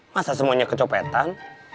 masa semuanya kecopetan